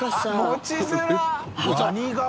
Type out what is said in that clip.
持ちづらい！